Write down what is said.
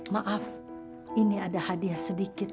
maaf ini ada hadiah sedikit